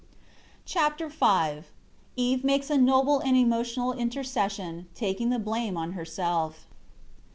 Chapter V Eve makes a noble and emotional intercession, taking the blame on herself.